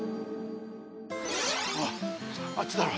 あっちだろ？